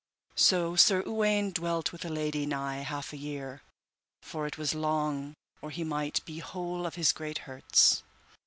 So Sir Uwaine dwelt with the lady nigh half a year, for it was long or he might be whole of his great hurts.